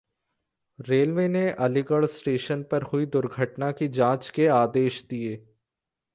railway ने Aligarh station पर हुई दुर्घटना की जांच के आदेश दिये